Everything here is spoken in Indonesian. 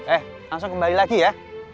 eh langsung kembali lagi ya